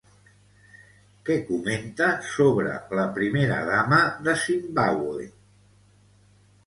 Què comenta sobre la primera dama de ZImbàbue?